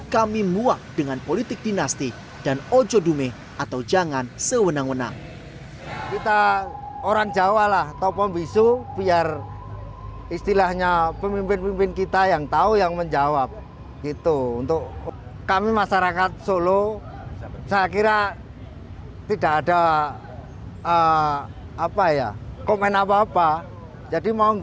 kami muak dengan politik dinasti dan ojodume atau jangan sewenang wenang